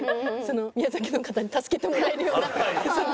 宮崎の方に助けてもらえるようなその。